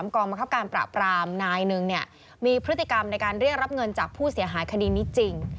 กองบังคับการปราบรามนายหนึ่งมีพฤติกรรมในการเรียกรับเงินจากผู้เสียหายคดีนี้จริง